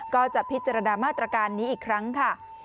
ก็จะพิจารณามาตรการนี้อีกครั้งค่ะ